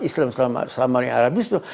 islam selama ada arabisme